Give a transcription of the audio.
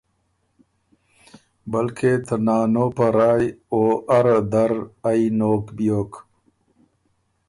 بلکې ته نانو په رایٛ او اره در ائ نوک بیوک